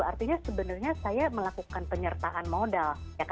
artinya sebenarnya saya melakukan penyertaan modal